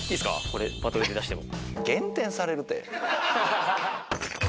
これバトルで出しても。